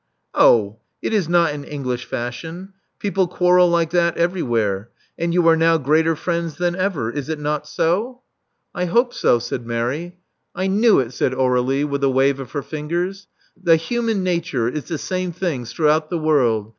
" Oh, it is not an English fashion. People quarrel like that everywhere. And you are now greater friends than ever. Is it not so?*' Love Among the Artists 393 I hope so," said Mary. I knew it/* said Aur^lie, with a wave of her fin gers. The human nature is the same things throughout the world.